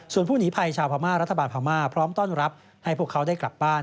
ส่วนผู้หนีภัยชาวพม่ารัฐบาลพม่าพร้อมต้อนรับให้พวกเขาได้กลับบ้าน